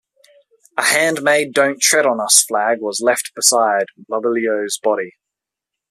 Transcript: A handmade "Don't Tread on Us" flag was left beside Mobilio's body.